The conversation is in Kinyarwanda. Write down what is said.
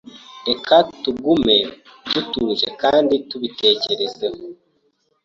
Reka tugume dutuje kandi tubitekerezeho.